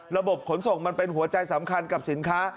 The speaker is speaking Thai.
ระบบขนส่งมันเป็นหัวใจสำคัญกับสินค้า